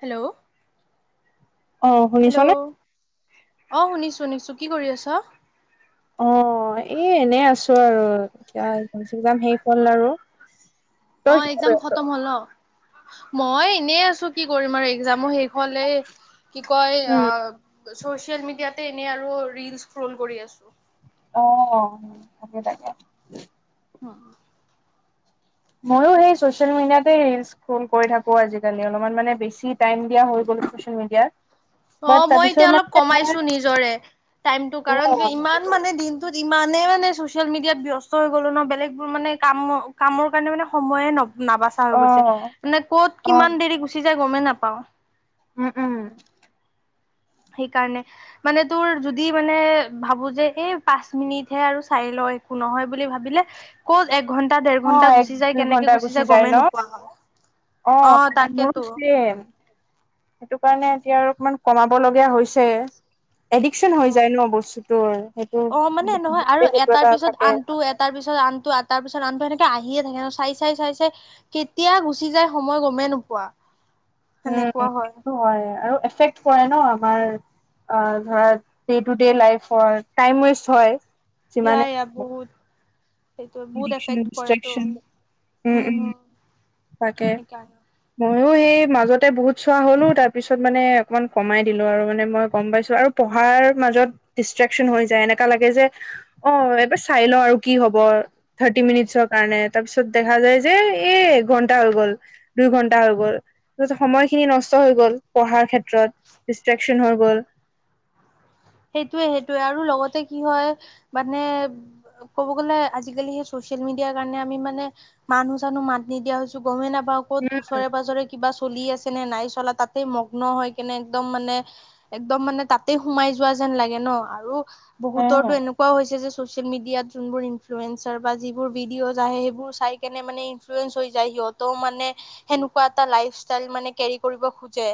Hello অ hello শুনিছনে অ শুনিছো শুনিছো কি কৰি আছ? অ এই এনেই আছো আৰু এতিয়া একজাম চেকজাম শেষ হ'ল আৰু অ তই কি কৰি একজাম আছ খতম হল অ মই এনে আছো কি কৰিম আৰু একজামো শে হলেই কি কয় অ উম চচিয়েল মিডিয়াত এনে আৰু ৰিলচ ক্ৰল কৰি আছো অ তাকে তাকে অ ময়ো সেই চ চিয়েল মিডিয়াতেই ৰিলচ ক্ৰল কৰি থাকো আজি কালি অলপমান মানে বেছি টাইম দিয়া হৈ গ'ল ছচিয়েল মিডিয়াত অ বাট মই তাৰপিছত এতিয়া অলপ মানে মই কমাইছো নিজৰে টাইমটো কাৰণ কি ইমান মানে দিন টোত ইমানে মানে চচিয়েল মিডিয়াত ব্যস্ত হৈ গ'লো ন বেলেগ বোৰ মানে কামৰ কামৰ কাৰণে মানে সময়ে ন নাবাচা অ হৈ গৈছে মানে ক'ত অ কিমান দেৰি গুচি যায় গমেই নাপাও উম উম সেইকাৰণে মানে তোৰ যদি মানে ভাবো যে এই পাঁচ মিনিটহে আৰু চাই লয় একো নহয় বুলি ভাবিলে ক'ত এক ঘণ্টা দেৰ অ ঘণ্টা এক গুচি যায় দুই কেনেকে ঘন্টা গুচি যায় ন গমেই নোপোৱা হ' অ মোৰো ত চেম সেইটো কাৰণে এতিয়া আৰু অকমান কমাব লগীয়া হৈছে এডিকচন হৈ উম যায় ন বস্তুটোৰ সেইটো অ সেইটো কিবা এটা থাকে তাৰপিছত আনটো তাৰপিছত আনটো আহি থাকে আহিয়ে থাকে ন চাই চাই চাই চাই কেতিয়া গুচি যাই সময় গমেই নোপোৱা উম সেনেকুৱা হয় সেইটো হয় আৰু এফেক্ট কৰে ন আমাৰ অ ধৰা ডে টু ডে লাইফৰ টাইম ৱেষ্ট হয় এতিয়া যিমানে আ বহুত সেইটো বহুত এডিকচন, এফেক্ট কৰেতো ডিষ্ট্ৰেকচন উম হম উম হম তাকে সেইকাৰণে মইয়ো সেই মাজতে বহুত চোৱা হলো তাৰ পিছত মানে অকমান কমাই দিলো আৰু মানে মই গম পাইছো আৰু পঢ়াৰ মাজত ডিষ্ট্ৰেকচন হৈ যায় এনেকা লাগে যে অ এবাৰ চাই লও আৰু কি হব থাৰ্টি মিনিটছৰ কাৰণে তাৰপিছত দেখা যায় যে এ ঘণ্টা হৈ গ'ল দুই ঘণ্টা হৈ গ'ল তো যে সময়খিনি নষ্ট হৈ গ'ল পঢ়াৰ ক্ষে ত্ৰত ডিষ্টেকচন হৈ গ'ল। সেইটোয়ে সেইটোয়ে আৰু লগতে কি হয় মানে ক'ব গ'লে আজিকালি সেই চচিয়েল মিডিয়াৰ কাৰণে আমি মানে মানুহ চানুহ মাত নিদিয়া হৈছো গমেই নাপাওঁ ক'ত উম ওচৰে পাজৰে কিবা চলি আছে নে নাই চলা, তাতেই মগ্ন হৈ কেনে একদম মানে একদম মানে তাতেই সোমাই যোৱা যেন লাগে ন আৰু উম বহুতৰটো এনেকুৱাও হৈছে যে ছ'চিয়েল মিডিয়াত যোনবোৰ ইনফ্লুৱেঞ্চাৰ বা যিবোৰ ভিডিঅ'জ আহে সেইবোৰ চাই কেনে মানে ইন্লুৱেঞ্চ হৈ যায় সিহঁত ত মানে সেনেকুৱা এটা লাইফ ষ্টাইল মানে কেৰি কৰিব খোজে।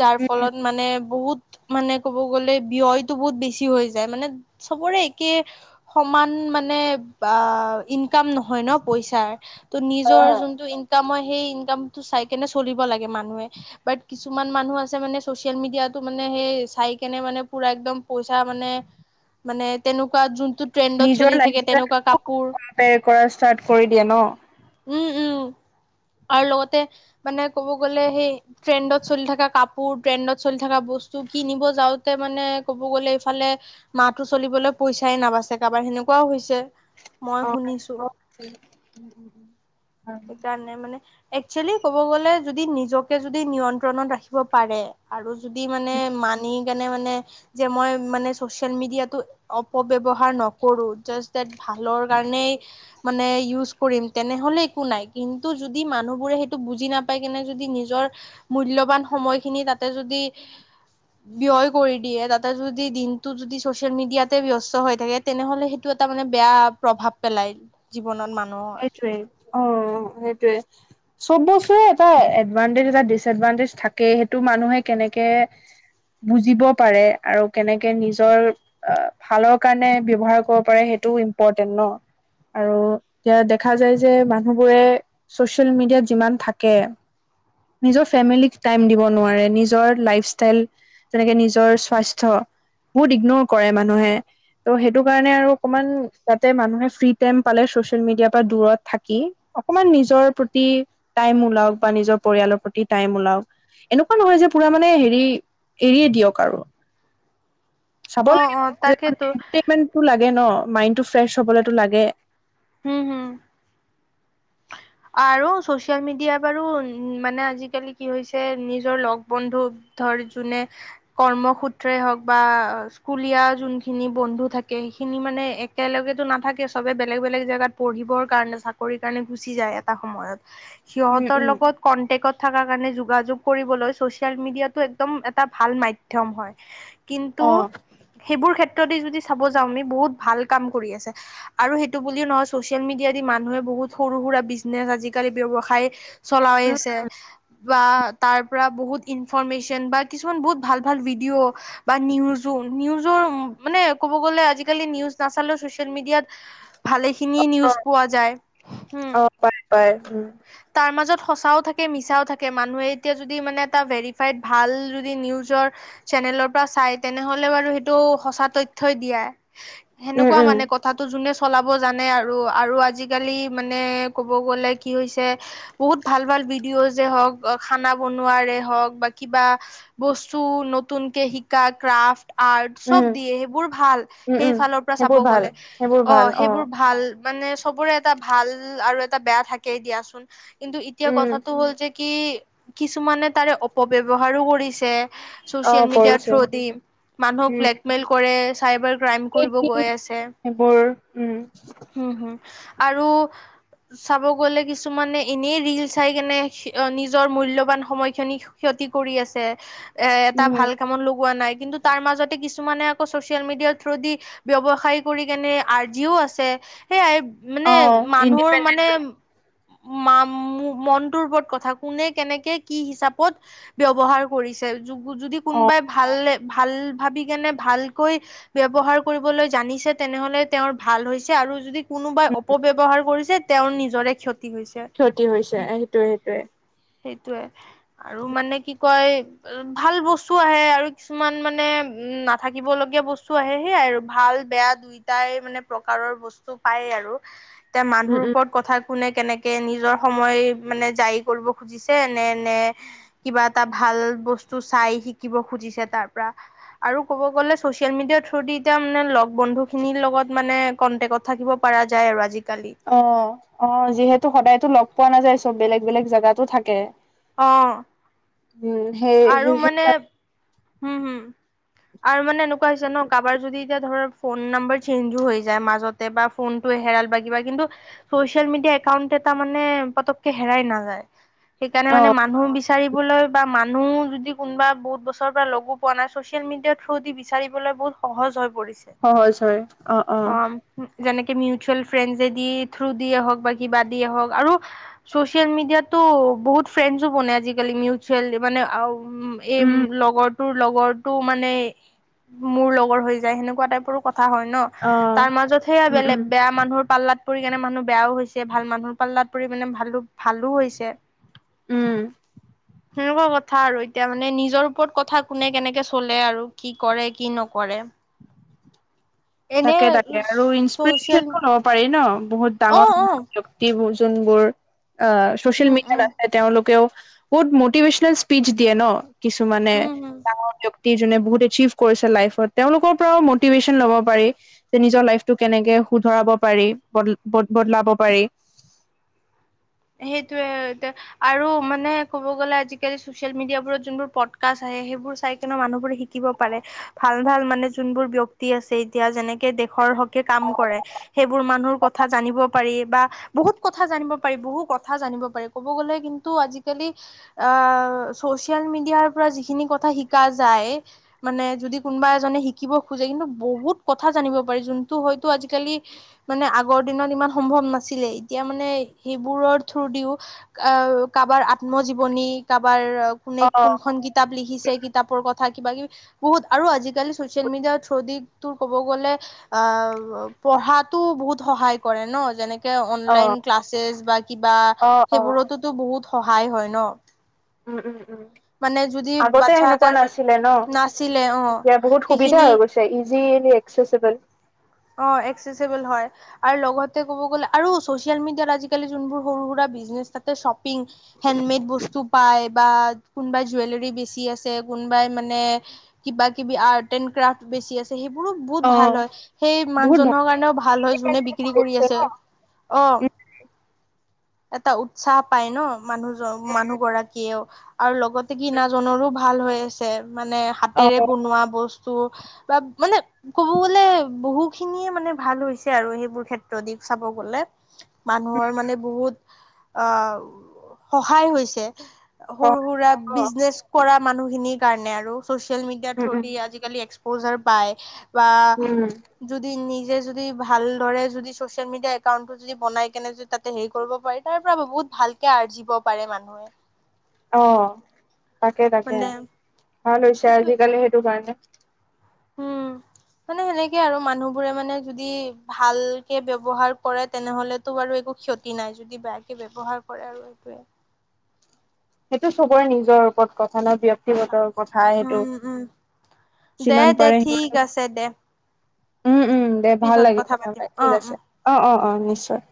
যাৰ উম ফলত মানে বহুত মানে ক'ব গ'লে ব্যয়তো বহুত বেছি হৈ যায় মানে চবৰে একেই সমান মানে বা ইন ইনকম নহয় ন পইচাৰ ত অ নিজৰ যোনটো ইনকামৰ সেই ইনকামটো চাই কেনে চলিব লাগে মানুহে। বাট কিছুমান মানুহ আছে মানে চচিয়েল মিডিয়াতো মানে সেই চাই কেনে মানে। পুৰা একদম পইচা মানে মানে তেনেকুৱা যোন টো ণ্টেণ্ডত নিজৰ চলি থাকে তেনেকুৱা লাইফষ্টাইলটো কাপোৰ। কম্পেয়াৰ কৰা ষ্টাৰ্ট কৰি দিয়ে ন উম, উম আৰু লগতে মানে ক'ব গ'লে সেই ট্ৰেণ্ডত চলি থকা কাপোৰ ট্ৰেণ্ডত চলি থকা বস্তু কিনিব যাওঁতে মানে ক'ব গ'লে, ইফালে মাহটো চলিবলৈ পইচাই নাবাচে কাৰোবাৰ সেনেকুৱাও হৈছে। মই অ শুনিছো সেইটোৱে সেইকাৰণে মানে একচুৱেলি ক'ব গ'লে যদি নিজকে যদি নিয়ন্ত্ৰণত ৰাখিব পাৰে আৰু যদি মানে মানি গা মানে মই ম ছ'চিয়েল মিডিয়াত অপব্যৱহাৰৰ নকৰো। জাষ্ট দেট ভালৰ কাৰণেই মানে ইউজ কৰিম তেনেহ'লে একো নাই কিন্তু যদি মানুহবোৰে সেইটো বুজি নাপাই কেনে যদি নিজৰ মূল্যবান সময়খিনি তাতে যদি, ব্যয় কৰি দিয়ে, তাতে যদি দিনটো যদি ছ'চিয়েল মিডিয়াতে ব্যস্ত হৈ থাকে। তেনেহ'লে সেইটো এটা মানে বেয়া। প্ৰভাৱ পেলাই জীৱনত মানুহ সেইটোৱে অ' অ সেইটোৱে চ'ব বস্তুেই এটা এডভানটেজ এটা ডিচএডভানটেজ থাকে, সেইটো মানুহে কেনেকে বুজিব পাৰে আৰু কেনেকে নিজৰ অ' ভালৰ কাৰণে ব্যৱহাৰ কৰিব পাৰে সেইটোও ইম্পৰটেণ্ট ন। আৰু এতিয়া দেখা যায় যে, মানুহবোৰে ছ'চিয়েল মিডিয়াত যিমান থাকে। নিজৰ ফেমিলীক টাইম দিব নোৱাৰে, নিজৰ লাইফষ্টাইল যেনেকে নিজৰ স্বাস্থ্য বহুত ইগনৰ কৰে মানুহে ত' সেইটো কাৰণে আৰু অকমান তাতে মানুহে ফ্ৰী টাইম পালে ছ'চিয়েল মিডিয়াৰ পৰা দূৰত থাকি, অকমান নিজৰ প্ৰতি টাইম ওলাওক বা নিজৰ পৰিয়ালৰ প্ৰতি টাইম ওলাওক। এনেকুৱা নহয় যে পুৰা মানে হেৰি এৰিয়ে দিয়ক আৰু চাব অ', অ', তাকেতো লাগে লাগে ন, মাইণ্ডটো ফ্ৰেছ হবলোটো লাগে। হম, হুম। [unintelligible] আৰু ছ'চিয়েল মিডিয়া বাৰু মানে আজিকালি কি হৈছে নিজৰ লগ বন্ধু ধৰ যোনে কৰ্ম সূত্ৰে হওঁক বা স্কুলীয়া যোনখিনি বন্ধু থাকে, সেইখিনি মানে এক একেলগেতো নাথাকে, চবে বেলেগ বেলেগ জেগাত পঢ়িবৰ কাৰণে চাকৰি কাৰণে গুচি যায় এটা সময়ত উম সিহঁতৰ উম লগত কন্টেকত থকা কাৰণে যোগাযোগ কৰিবলৈ ছ'চিয়েল মিডিয়াত টো একদম এটা ভাল মাধ্যম হয়। কিন্তু অ'। সেইবোৰ ক্ষেত্ৰতে যদি চাব যাওঁ আমি বহুত ভাল কাম কৰি আছে। আৰু সেইটো বুলিও নহয় ছ'চিয়েল মিডিয়া দি মানুহে বহুত সৰু সুৰা বিজনেচ আজিকালি ব্যৱসায় চলাই আছে। বা তাৰ পৰা বহুত ইনফৰমেশ্যন বা কিছুমান বহুত ভাল ভাল ভিডিঅ'। বা নিউজো নিউজৰ মানে ক'ব গলে, আজিকালি নিউজ নাচালে চচিয়েল মিডিয়াত ভালে খিনিয়েই নিউজ পোৱা যায়। উম অ', পায় পায়, উম। তাৰ মাজত সঁচাও থাকে মিছাও থাকে, মানুহে এতিয়া যদি মানে এটা ভেৰিফাইড ভাল যদি নিউজৰ চেনেলৰ পৰা চাই, তেনেহলে বাৰু সেইটো সঁচা তথ্যই দিয়ে। উম সেনেকুৱা উম মানে কথাটো যোনে চলাব জানে আৰু আৰু আজি আজিকালি মানে ক'ব গ'লে, কি হৈছে? বহুত ভাল ভাল ভিডিঅ'জ হওক খানা বনোৱাৰে হওঁক বা কিবা বস্তু নতুনকে শিকা ক্ৰাফট। আৰ্ট উম চব দিয়ে, সেইবোৰ ভাল উম উম সেইফালৰ পৰা চাব সেইবোৰ ভাল গ'লে, সেইবোৰ ভাল অ' সেইবোৰ ভাল। মানে চবৰে এটা ভাল আৰু এটা বেয়া থাকেই দিয়াচোন, কিন্তু এতিয়া উম কথাটো হ'ল যে কি কিছুমানে তাৰে অপব্যৱহাৰো কৰিছে। অ' চচিয়েল মিডিয়াৰ কৰিছে। থ্ৰুদি, মানুক উম ব্লেকমেইল কৰে, চাইবাৰ ক্ৰাইম কৰিব গৈ আছে, সেইবোৰ উম হম, হম, আৰু চাব গ'লে কিছুমানে এনেই ৰিল চাই কেনে নিজৰ মূল্যবান সময়খিনি ক্ষতি কৰি আছে, এ এটা উম ভাল কামত লগোৱা নাই, কিন্তু তাৰ মাজতে কিছুমানে আকৌ ছ'চিয়েল মিডিয়াৰ থ্ৰু দি ব্যৱসায় কৰি কেনে আজিও আছে, সেইয়াই মানে অ' মানুহৰ ইণ্ডিপেণ্ডেন্ট মানে মা মনটোৰ ওপৰত কথা। কোনে, কেনেকে, কি হিচাপত ব্যৱহাৰ কৰিছে? যদি অ' কোনোবাই ভাল ভাল ভাবি কেনে ভালকৈ ব্যৱহাৰ কৰিবলৈ জানিছে, তেনেহলে তেওঁৰ ভাল হৈছে আৰু যদি কোনো অপব্যৱহাৰ কৰিছে, তেওঁৰ নিজৰেই ক্ষতি হৈছে। ক্ষতি হৈছে সেইটোয়ে সেইটোয়ে সেইটোৱেই আৰু মানে কি কয়? ভাল বস্তু আহে আৰু কিছুমান মানে উম নাথাকিবলগীয়া বস্তু আহে, সেয়াই আৰু ভাল বেয়া দুইটাই মানে প্ৰকাৰৰ বস্তু পায় আৰু, এতিয়া উম মানুহৰ উম ওপৰত কথা, কোনে কেনেকে নিজৰ সময় মানে জাৰি কৰিব খুজিছে নে নে কিবা এটা ভাল বস্তু চাই, শিকিব খুজিছে তাৰ পৰা। আৰু ক'ব গলে, চচিয়েল মিডিয়াৰ থ্ৰু দি এতিয়া মানে লগ বন্ধু খিনিৰ লগত মানে কন্টেকত থাকিব পাৰা যায় আৰু আজিকালি। অ', অ' যিহেতু সদায়তো লগ পোৱা নাযায়, চব বেলেগ বেলেগ জাগাতো থাকে। অহ। উম, হে আৰু মানে, হম হম। আৰু মানে এনেকুৱা হৈছে ন, কাৰোবাৰ যদি এতিয়া ধৰ, ফোন নম্বাৰ যদি চেঞ্জো হৈ যায় মাজত। বা ফোনটো হেৰাল বা কিবা কিন্তু চচিয়েল মিডিয়া একাউণ্ট এটা মানে পতককে হেৰাই নাযায়। সেইকাৰণে মানে অ' মানুহ বিচাৰিবলৈ বা মান মানুহ যদি কোনোবা বহুত বছৰৰ পৰা লগো পোৱা নাই, ছচিয়েল মিডিয়াৰ থ্ৰ দি বিচাৰিবলৈ বহুত সহজ হৈ পৰিছে। সহজ হয়, অ' অ'। যেনেকে মিউচুৱেল ফ্ৰেণ্ডছ দি থ্ৰু দিয়েই হওক বা কিবা দিয়ে হওক আৰু চ'চিয়েল মিডিয়াতো বহুত ফ্ৰেণ্ডজো বনে আজিকালি, মিউচ মানে অ' উ এই উম লগৰ তোৰ লগৰটো মানে মোৰ লগৰ হৈ যায়, সেনেকুৱা টাইপৰো কথা হয় ন। অ'। তাৰ মাজত সেইয়া উম, বেলেগ, উম, বেয়া মানুহৰ পাল্লাত পৰি কেনে মানুহ বেয়াও হৈছে, ভাল মানুহৰ পাল্লাত পৰি মানে ভালো ভালো হৈছে। উম। সেনেকুৱা কথা আৰু, এতিয়া মানে নিজৰ ওপৰত কথা, কোনে কেনেকে চলে আৰু কি কৰে কি নকৰে? [unintelligible] তাকে তাকে আৰু ছচিয়েল ইনস্পিৰেচনো অ। পাৰি ন, বহুত ডাঙৰ অ' অ' ব্যক্তিৰ যোনবোৰ। আহ চচিয়েল উম মিডিয়াত উম আছে তেওঁলোকেও বহুত মটিভেশ্যনেল স্পিচ দিয়ে ন। কিছুমানে উম, হম, ডাঙৰ। বহুত এচিভ কৰিছে লাইফত তেওঁলোকৰ পৰাও মটিভেশচন ল'ব পাৰি। যে নিজৰ লাইফটো কেনেকে শুধৰাব পাৰি বদদ বদলাব পাৰি। সেইটোয়ে, এ আৰু মানে ক'ব গ'লে আজিকালি। চ'চিয়েল মিডিয়াবোৰত যোনবোৰ পডকাষ্ট আহে, সেইবোৰ চাই কিনে মানুহবোৰে শিকিব পাৰে। ভাল - ভাল মানে যোনবোৰ ব্যক্তি আছে, এতিয়া যেনেকে। দেশৰ হকে কাম কৰে, সেইবোৰ মানুহৰ কথা জানিব পাৰি বা। বহুত কথা জানিব পাৰি বহু কথা জানিব পাৰি ক'ব গ'লে কিন্তু আজিকালি। আহ চ'চিয়েল মিডিয়াৰ পৰা যিখিনি কথা শিকা যায়। মানে যদি কোনোবা এজনে শিকিব খোজে কিন্তু বহুত কথা জানিব পাৰি যোনটো হয়তো আজিকালি। মানে আগৰ দিনত ইমান সম্ভৱ নাছিলে, এতিয়া মানে সেইবোৰৰ। থোৰ দিও আহ কাৰোবাৰ আত্মজীৱনী কাৰোবাৰ কোনে অ', অ', কোনখন গীত। কিতাপ লিখিছে, কিতাপৰ কথা কিবা কিবি। বহুত আৰু আজিকালি চ'চিয়েল মিডিয়াৰ থ্ৰদিক তোৰ ক'ব গ'লে। অ' পঢ়াতো বহুত সহায় কৰে ন, যেনেকে। অ', অনলাইন ক্লাছেছ বা কিবা অ', সেইবোৰতোতো বহুত সহায় হয় ন। উম উম উম। মানে যদি আগতে বাচ্ছা সেনেকুৱা নাছিলে ন, এটাৰ নাছিলে অ এতিয়া বহুত সুবিধা হৈ সেইখিনি গৈছে। ইজিলি এ্সেচবল। অ' এক্সেচবল হয়। আৰু লগতে ক'ব গ'লে আৰু চ'চিয়েল মিডিয়াত আজিকালি যোনবোৰ সৰু সুৰা বিজনেছ থাকে। শপিং, হেণ্ডমেড বস্তু পায় বা। কোনোবাই জুৱেলৰী বেছি আছে, কোনোবাই মানে কিবা কিবি আৰ্ট এণ্ড ক্ৰাফ্ট বেছি আছে। সেইবোৰো বহুত অ', ভাল হয়, সেই মানুহ বহুত ভাল জহনৰ কাৰণেও ভাল হয় যোনে বিক্ৰী কৰি আছে। অঁ। এটা উৎসাহ পায় ন, মানুহজন মানুহ গৰাকীয়েও। আৰু লগতে কি নাজনৰো ভাল হৈ আছে মানে। অ', হাতেৰে বনোৱা বস্তু বা, মানে ক'ব গলে। বহু খিনিয়ে মানে ভাল হৈছে আৰু সেইবোৰ ক্ষেত্ৰ দি চাব গলে। মানুহৰ মানে বহুত আহ সহায় হৈছে। সৰু - সুৰা অ', বিজনে কৰা মানুহখিনিৰ কাৰণে আৰু চচিয়েল মিডিয়া উম, থ উম, দি আজ। পজাৰ পায় বা। উম, যদি নিজে যদি ভালদৰে যদি চ'চিয়েল মিডিয়া একাউন্টটো যদি বনাই কেনে যদি। হেৰি কৰিব পাৰি, তাৰ পৰা বহুত ভালকে আৰ্জিব পাৰে মানুহে। অ তাকে তাকে মানে ভাল হৈছে আজিকালি সেইটো কাৰণে হোম মানে সেনেকে আৰু মানুহবোৰে মানে যদি ভালকে ব্যৱহাৰ কৰে তেনেহলেতো বাৰু একো ক্ষতি নাই যদি বেয়াকে ব্যৱহাৰ কৰে আৰু সেইটোৱে সেইটো চবৰে নিজৰ ওপৰত কথা ন ব্য কথা ব্যক্তিগত কথা সেইটো উম উম দে যিমান দে পাৰে ঠিক সিমান আছে দে উম উম দে ভাল পিছত লাগিল কথা পাতিম পাতি অ ঠিক উম আছে অ অ অহ অ নিশ্চয়